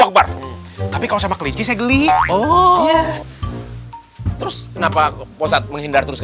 akbar tapi kau sama kita saya gelichan terus kenapa posa menghindar terus tipis